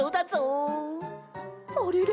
あれれ？